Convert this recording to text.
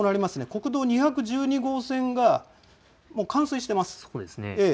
国道２１２号線が冠水してます。